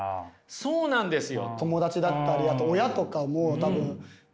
そうなんですよ。